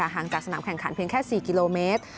ห่างจากสนามแข่งขันเพียงแค่๔กิโลเมตร